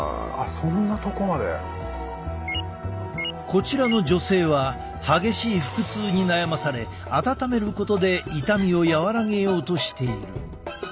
こちらの女性は激しい腹痛に悩まされ温めることで痛みを和らげようとしている。